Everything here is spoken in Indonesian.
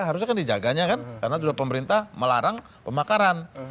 harusnya kan dijaganya kan karena sudah pemerintah melarang pemakaran